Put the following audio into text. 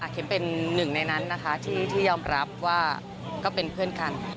เข็มเป็นหนึ่งในนั้นนะคะที่ยอมรับว่าก็เป็นเพื่อนกัน